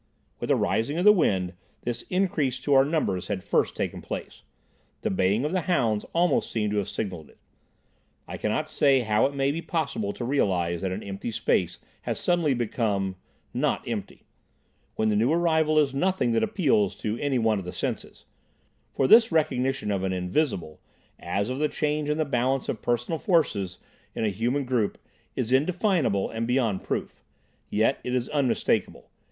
With the rising of the wind this increase to our numbers had first taken place. The baying of the hounds almost seemed to have signalled it. I cannot say how it may be possible to realise that an empty place has suddenly become—not empty, when the new arrival is nothing that appeals to any one of the senses; for this recognition of an "invisible," as of the change in the balance of personal forces in a human group, is indefinable and beyond proof. Yet it is unmistakable.